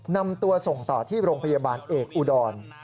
นำตัวส่งต่อที่โรงพยาบาลเอกอุดร